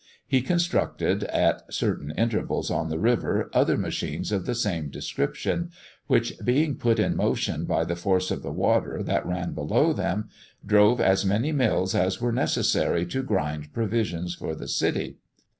He constructed at certain intervals on the river other machines of the same description, which, being put in motion by the force of the water that ran below them, drove as many mills as were necessary to grind provisions for the city.